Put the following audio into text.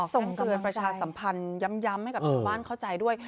ส่งเตือนประชาสัมพันธ์ย้ำให้กับชาวบ้านเข้าใจด้วย